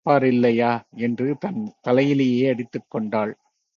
கேப்பாரில்லையா... என்று தன் தலையிலேயே அடித்துக் கொண்டாள்.